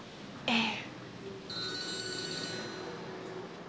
ええ。